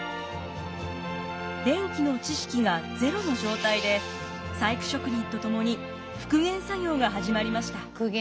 電気の知識がゼロの状態で細工職人と共に復元作業が始まりました。